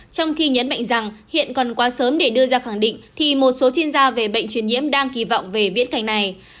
trong khi nhấn mạnh rằng hiện còn quá sớm để đưa ra khẳng định thì một số chuyên gia về bệnh truyền nhiễm đang kỳ vọng về viễn cảnh này